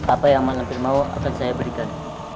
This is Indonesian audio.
apa yang mak nampil mau akan saya berikan